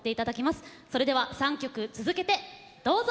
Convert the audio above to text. それでは３曲続けてどうぞ。